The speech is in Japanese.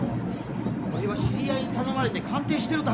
これは知り合いにたのまれて鑑定してるだけなんや！